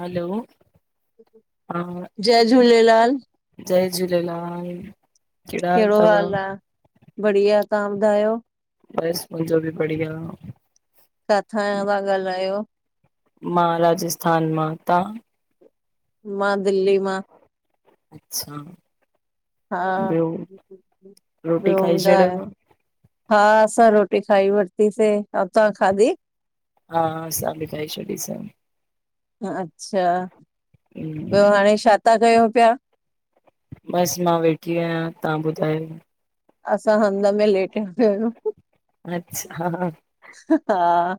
हलो हा जय झूलेलाल जय झूलेलाल कहिड़ा कैड़ो तव? हाल आ बढ़िया तां ॿुधायो? बस मुंजो ॿि बढ़िया। कांथां आयां पया ॻालायो? मां राजस्थान मां तां? मां दिल्ली मां। अच्छा हा ॿियो रोटी ॿयो खाई ॿुधाए? छॾियव? हा असां रोटी खाई वरतीसीं अउं तां खादी? हा असां ॿि खाई छॾीसी। अच्छा ॿयो हम्म, हाणे छा था कयूं पया? बस मां वेठी आयां तां ॿुधायो? असां हध में लेटया पया आयूं। अच्छा ह हा।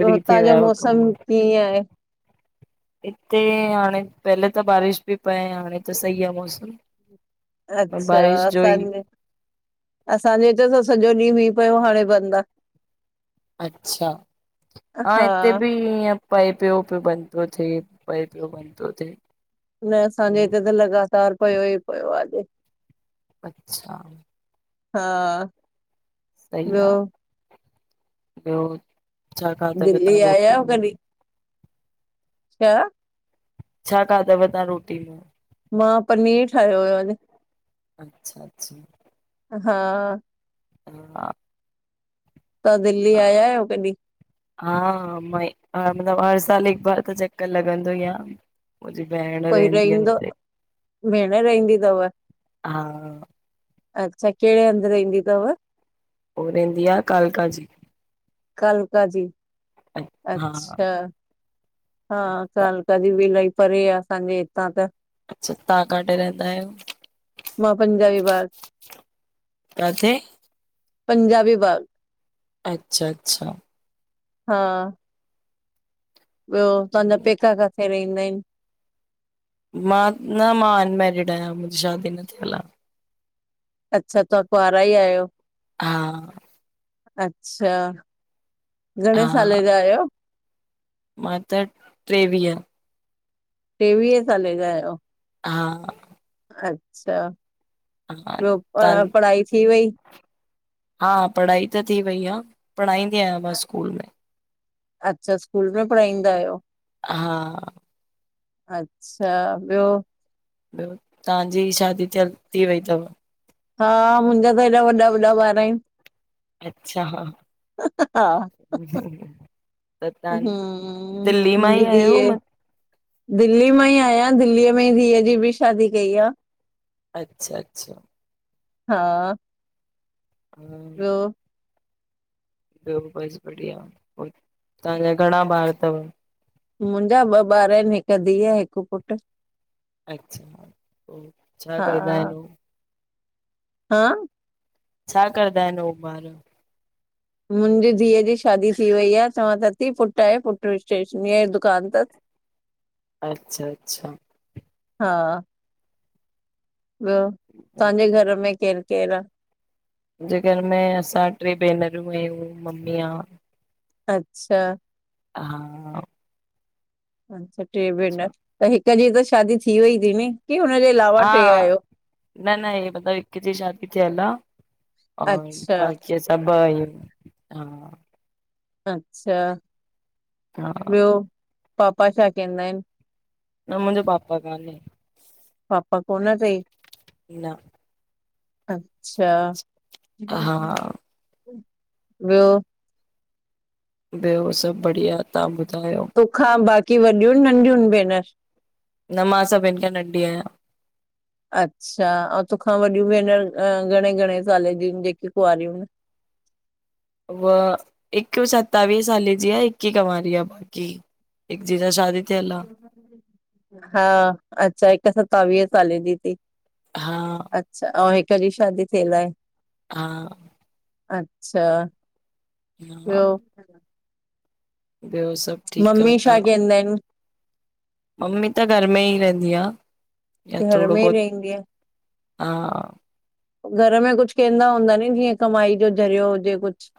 ॿियो थी हुतां वया जो आयो कम मौसम कीअं आहे? हिते हाणे पअले त बारिश ॿि पए हां हाणे त सई आ मौसम। पर अच्छा बारिश जो ई, असांजे-असांजे इते त सॼो ॾींअ मी पयो हाणे बंद आ। अच्छा हा हिते ॿि ईए। पाये पयो, पयो बंद तो थे, पये पयो बंद तो थे। न असांजे हिते त लॻातार पयो ई पयो आहे। अच्छा हा सई ॿियो आह ॿयो छा खाधव दिल्ली तां आया रोटी आहियो में। कॾहिं? छा? छा खाधव तां रोटी में? मां पनीर ठायो हुयो अॼ। अच्छा-अच्छा हा हा तां दिल्ली आया आयो कॾि? हा म मतलब हर साल हिक बार त चक्कर लॻंदो ई आ। मुंजी भेण कोई रहंदी आ रहंदो हुते भेण रहंदी तव? हा। अच्छा केड़े हंध रईंदी तव। उ रहंदी आ कालका जी कालका जी। हा अच्छा, हां कालका जी बि इलाई परे आ असांजे तहां तो अच्छा तव्हां काथे रहंदा आहियो? [inaudible] मां पंजाबी बार कार से पंजाबी बाग अच्छा अच्छा हां ॿियो तहांजा पेका काथे रहिंदा आहिनि? मां न मां अनमैरिड आहियां मुंहिंजी शादी न थियल आ। अचछा तव्हां कुंवारा ई आहयो। हां अच्छा, हा घणे साले जा आहियो? मां त टेवीह टेवीहे साले जा आहियो। हा अच्छा हा ॿियो प तां पढ़ाई थी वई? हा, पढ़ाई त थी वई आ पढ़ाईंदी आहियां मां स्कूल में। अच्छा, स्कूल में पढ़ाईंदा आहियो। हां। अचछा ॿियो ॿियो तहांजी शादी थयल थी वई तव? हां मुंहिंजा त हेॾा वॾा वॾा ॿार आहिनि। अच्छा हां हां त तव्हां हूं, दिल्ली मां ई मुहिंजी धीअ आहियो ऐ। म दिल्ली मां ई आयां इन दिल्लीअ में ई धीअ जी बि शादी कई आ। अच्छा अच्छा हां [inaudible] ॿियो बसि बढ़िया [unintelligible] तहांजा घणा ॿार तव? मुंहिंजा ॿ ॿार आहिनि हिकु धीअ हिकु पुटु। अच्छा, पोइ छा हा कंदा आहिनि उ? हा। छा कंदा आहिनि उ ॿार? मुंहिंजी धीअ जी शादी थी वई आ। चवां थ थी पुटु आहें पुटु स्टेशनरीअ जी दुकानु तसि। [inaudible] अच्छा अच्छा। हां ॿियो मुंहिंजे तहांजे घर में केरु केरु आ? जे घर में असां टे भेनरूं आहियूं मम्मी आ अच्छा हा हां। [unintelligible] टे भेनण त हिकु जी त शादी थी वई थी नी की हुनजे अलाव हां न न हे [unintelligible] हिकु जी शादी थियल आ। हा अच्छा बाक़ी सभु आयूं हां। अच्छा हा ॿियो पापा छा कंदा आहिनि न मुंहिंजो पापा कान्हे पापा कोन तई न न अच्छा हा ॿियो ॿयो सभ बढ़िया तव्हां ॿुधायो तोखा बाक़ी वॾियूं नंढियुन भेनर न मां सभिन खां नंढी आहियां अच्छा ऐं तोखां वॾियूं भेनर घणे घणे साल जीूं जेकी कुआरियूं आहिन ब हिक सतावीह साले जी आ हिक कवारी आ बाक़ी हिक जगह शादी थियल आ हा अच्छा हिक सतावीह साले जी तई हा अच्छा अउ हिक जी शादी थियल आहे हा अच्छा हा ॿियो ॿयो सभ मम्मी छा केंदा आहिन मम्मी त घर में ई रहंदी आ या घर थोडो में ई बहुत रहंदी आहे? हा घर में कुछ कंदा हूंदा नी जीअं कमाई जो ज़रियो हुजे कुछ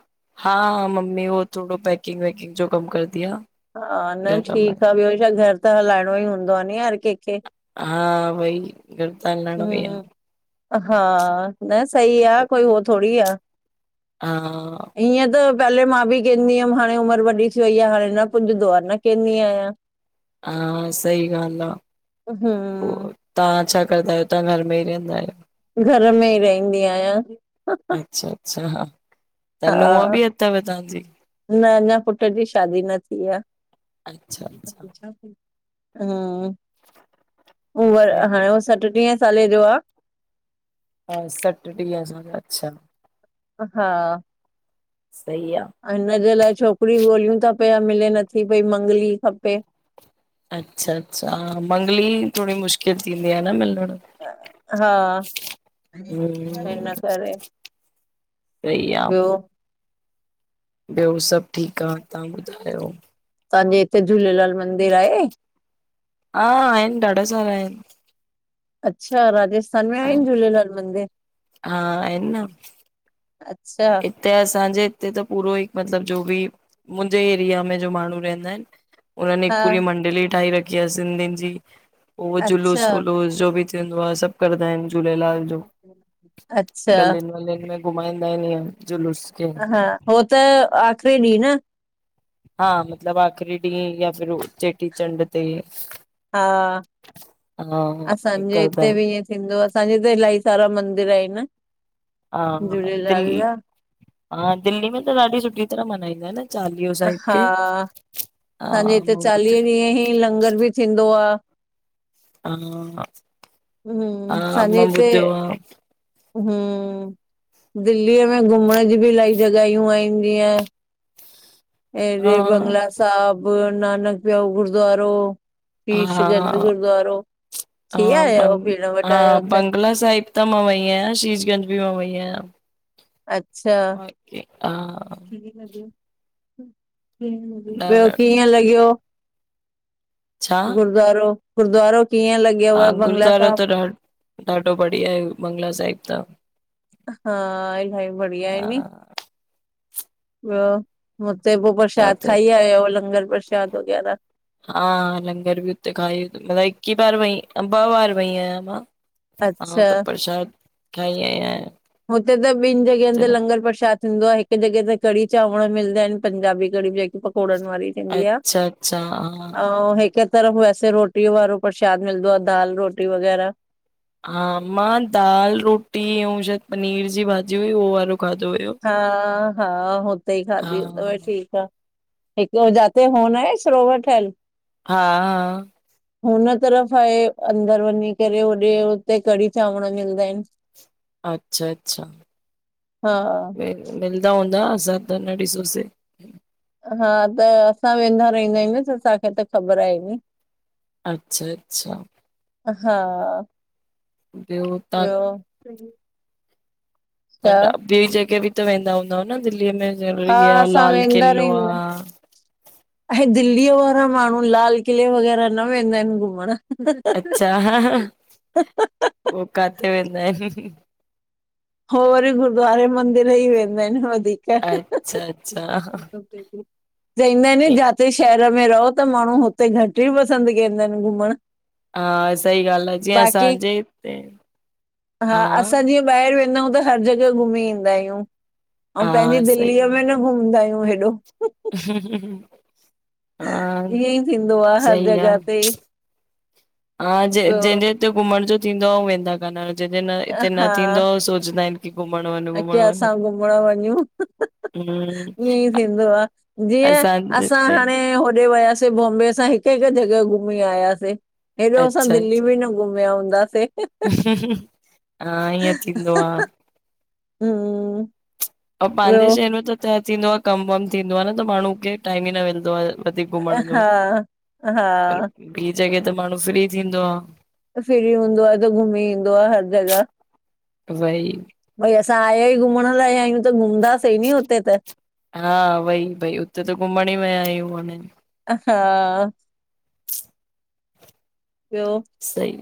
हा मम्मी उ थोडो पैकिंग वैकिंग जो कम कर दी आ हा न घर में ठीक आ ॿियो छा घर त हलाइणो ई हूंदो आ नी हर कंहिंखे हा भाई घर त हलाएडो भी आ हम्म हा न सही आ कोई हो थोोडी आ हा इअं त पहले मां बि कंदी हुअम हाणे उमर वॾी थी वई आ हाणे न पुजदोआ न केंदी आया हा सही ॻाल्हि आ पो हम्म तव्हां छा कंदा आहियो तव्हां घर में ई रहंदा आहियो घर में ई रहंदी आया अच्छा- अच्छा हा त नूंहं हा भी अथव तव्हां न न पुट जी शादी न थी आ अच्छा अच्छा हम उ व सही हाणे उह सत ॾींहं साले जो आ हा सठटीह जो अच्छा हा सही आ हिनजे लाइ छोकरी ॻोल्हियूं ता पिया मिले नथी पई मंगली खपे अच्छा- अच्छा ह मंगली थोडी मुश्किल थींदी आ न मिलण हा हम्म हिन करे सही आ ॿियो ॿियो सभ ठीक आ तव्हां ॿुधायो तहांजे हिते झूलेलाल मंदिर आहे। हा आहिन ॾाढा सारा इन। अच्छा राजस्थान में आहिन झूलेलाल मंदिर। हा आहिन न। अच्छा इते असांजे इते त पूरोई मतलब जो बि। मुंजे एरिया में जो माण्हू रहंदा इन। हुनन हा हिक पूरी मंडली ठाए रखी आ सिंधियिन जी उहो अच्छा जुलूस वुलूस जो बि। सभ कंदा आहिन झूलेलाल जो अच्छा गलीन वलीन में घुमाईंदा इन इंअ जुलूस। खे हा, हो त आखरी ॾींह न। हा मतिलब आख़िरी ॾींहं या फिर चेटीचंडृ ते। हा असांजे कंदा इते आहिनि भी इंऐ। थींदो आ। असांजे इते इलाही सारा मंदिर इन। हा हा दिल्ली हा दिल्ली में त ॾाढी सुठी तरह मनाइंदा इन अ हा हा असांजे इते मां ॿुध चालीह ॾींहं ई लंगर भी थींदो आ। हम्म [unintelligible] आ मां ॿुधियो आ। हिम दिल्लीअ में घुमण जी बि इलाही जॻहियूं आहिनि जीअं। हा ऐंॾे बंगला साहब नानक देव यो गुरद्वारो। फीशगंज हा गुरद्वारो थी आयव भेण वट आयव त। पला साइब त मां वई आहियां शीजगंज बि मां वई आहियां। अच्छा। इ आ [unintelligible] ॿियो न कीअं लॻियो। छा गुरुद्वारो गुरुद्वारो कीअं लॻयव हा बंगला गुरुद्वारो साब। त ॾा ॾाढो बढ़िया ऐं, बंगला साहिब त। हा इलाही बढ़िया ऐ हा वी। ॿियो हुते पो छा प्रसाद थियो खाई आयव लंगर प्रसाद वग़ैरह। हा लंगर बि उते खाई अलाए कि बार वई अंबा वार वई आहियां मां। हा अच्छा त प्रसाद खाई आई आयां। हुते त ॿिनि जॻहिन ते लंगर प्रसाद थींदो आहे हिकु जॻह ते कढ़ी चांवर मिलदा आहिनि पंजाबी कढी जे पकोड़न वारी थींदी आ, अच्छा अच्छा हा अऊं हिक तरफ़ वैसे रोटी वारो प्रसाद मिलदो आ दाल रोटी वगैरह। हा मां दाल रोटी अऊं शायद पनीर जी भाॼी हुई उहो वारो। खाधो हुयो हा हा हुते ई हा खाधी [unintelligible] ठीक आ। हिकु जाते हो न आहे सरोवर ठहयल। हा हुन तरफ़ आहे अंदर वञी करे होॾे हुते कढ़ी -चांवर मिलदा इन। अच्छा अच्छा हा मिल मिलदा हूंदा असां त न ॾिसोसे। हा त असां वेंदा रहिंदा आहियूं न त असांखे त ख़बर आहे नी। अच्छा अच्छा हा ॿियो तव्हां ॿियो। छा न न ॿी जॻह बि त वेंदा हूंदव न दिल्लीअ में हा ज़रूरी [unintelligible] असां लाल वेंदा किलो आ। रहंदा ऐं दिल्लीअ वारा माण्हू लाल किले वग़ैरह न वेंदा आहिनि घुमण। अच्छा उ काथे वेंदा आहिनि। हो वरी गुद्वारे मंदिर ई वेंदा आहिनि वधीक। अच्छा, अच्छा। [unintelligible] चइन्दा आहिन जाते शहर में रहो त माण्हू हुते घटि ई पसंदि कंदा आहिनि घुमण। हा सही ॻाल्हि आहे, जीअं बाक़ी असांजे हिते हा बाएर वेन्दा अायु त हर ॼॻय घुमी ईंदा आहियूं पंहिंजी हा सही दिल्लीअ आहे में न घुमदा आयूं हेॾो। हा ईअं ई थींदो आहे हर सही आ। जगह ते हा ज ॿियो जंहिंजे हिते घुमण जो थींदो आ हू वेंदा कान आहिंन जंहिंजे न हिते न हा थींदो आ उ सोचंदा आहिनि। की घुमण वञ घुमण [unintelligible] वञ असां घुमण वञू। हम्म ईअं ई थींदो आ, जीअं असांजे असां हिते हाणे होॾे वयासीं बॉम्बे असां हिकु हिकु जॻह घुमी आयासे, हेॾो असां अच्छा दिल्ली अच्छा बि न घुमया हूंदा से। हा ईअं थींदो आ। हु। ऐं पंहिंजे शहर में त त थींदो आ कम वम थींदो आ न त माण्हू खे टाइम ई न मिलंदो आहे। [unintelligible] घुमण जो हा पर हा ॿी जॻह ते माण्हू फ्री थींदो आ। त फ्री हूंदो आ त घुमी ईंदो आ हर जॻह। वई भई असां आया ई घुमण लाइ आहियूं त घुमंदासीं नी हुते त हा वई, वई हुते त घुमण ई विया आहियूं उनिन हा। ॿियो, सही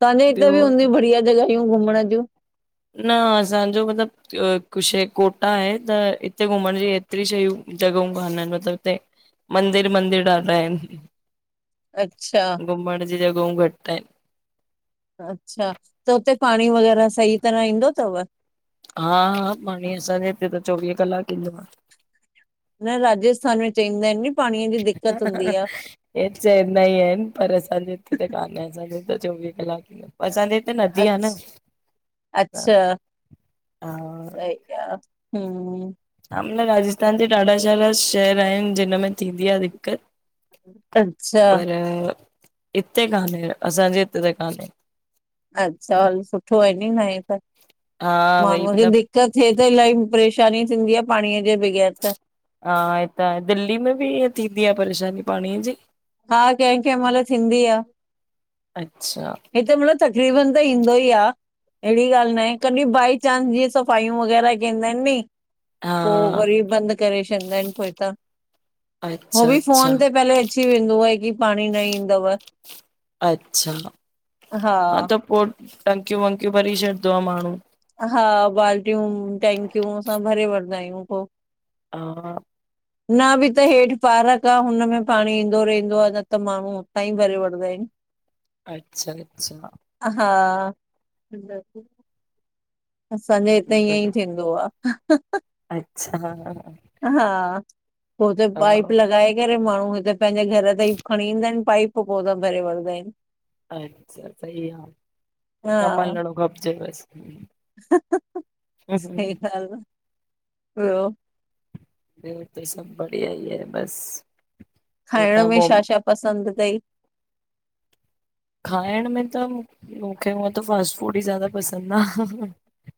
तव्हांजे हिते ॿियो बि हूंदियूं बढ़िया जॻहियूं घुमण जूं? न असांजो मतिलबु हिकु शइ कोटा आहे त हिते घुमण जी एतिरी शयूं जॻहियूं कान आहिनि मतिलबु हिते मंदिर, मंदिर ॾाढा आहिन, अच्छा घुमण जी जॻहूं घटि आहिन। अच्छा, त हुते पाणी वग़ैरह सही तरह ईंदो थव? हा, हा पाणी असांजे हिते त चोवीह कलाक ईंदो आ। न राजस्थान में चईंदा आहिनि नी पाणीअ जी दिक्क़त हूंदी आ। हे त चईंदा ई आहिनि पर असांजे हिते त कान्हे असांजे हिते चोवीह कलाक आ असांजे हिते नदी आ न, अच्छा अच्छा हा [unintelligible] हु [unintelligible] राजस्थान जे ॾाढा सारा शेहर, शहर आहिनि जिन में थींदी आ दिक़त। अच्छा। हा। हिते कान्हे, असांजे हिते त कान्हे। अच्छा हल सुठो आहे नी न आ हे त हा वई माण्हूअ जी मतलब दि त थिए त इलाही परेशानी थींदी आ पाणीअ जे बगैर त हा, हे तां आहे दिल्ली में बि ईअं थींदी आ परेशानी पाणीअ जी हा कंहिं कंहिं महिल थींदी आ। अच्छा हिते मतिलब तकरीबन त ईंदो ई आ। अहिड़ी ॻाल्हि न आहे कॾहिं बाए चांस जीअं सफ़ायूं वग़ैरह कंईंदा आहिन नी। हा पोइ वरी बंदि करे छॾींदा आहिन पोइतां। हो अच्छा बि अच्छा फोन ते पहले अची वेंदो आहे की पाणी न ईंदव। अच्छा हा त पोइ टंकियूं वंकियूं भरी छॾंदो आ माण्हू। हा बाल्टियूं, टेंकियूं सभु भरे वठंदा अयूं पो। हा [inaudible] न बि त हेठि पारक आह हुन में पाणी ईंदो रयंदो आह न त माण्हू तां ई भरे वठंदा अनि। [inaudible] अच्छा अच्छ् आ हा [unintelligible] असांजे हिते ईअं ई ब- थींदो आह। हंहंहं! अच्छा ह ह ह हा पो उते पाइप लॻाए करे माण्हू हिते पंहिंजे घर त ई खणी ईंदा आहिनि, पाइप पो उता भरे वठंदा आहिनि। अच्छा सही आह कमु हलिणो खपजे बसि। हंहंहं सही ॻाल्हि आ ॿियो ॿियो हिते सभु बढ़िया ई बसि खाइण में छा-छा पसंदि अथई? खाइण में त मूं मूंखे हुअं त फास्ट फूड ई ज़्यादा पसंदि आह।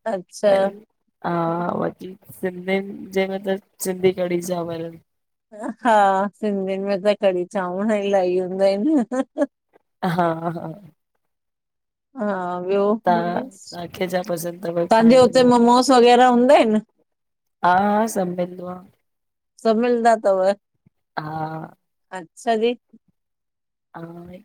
अच्छा व [unintelligible] हा बाक़ी सिंधिनि जे में त सिंधी कढ़ी चांवर आहिनि। हा, सिंधिनि में त कढ़ी चांवर इलाही हूंदा आहिनि। हा हा हा ॿियो तां तव्हांखे छा पसंदि थव तव्हांजे खाइण? हुते म मोमोस वग़ैरह हूंदा आहिनि? हा हा सभु मिलंदों आह। सभु मिलंदा तव हा अच्छा दी अ